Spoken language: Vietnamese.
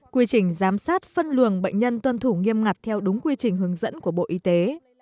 quy trình giám sát phân luồng bệnh nhân tuân thủ nghiêm ngặt theo đúng quy trình hướng dẫn của bộ y tế